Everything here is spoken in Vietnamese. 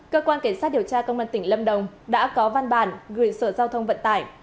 cơ quan cảnh sát điều tra công an tỉnh lâm đồng đã có văn bản gửi sở giao thông vận tải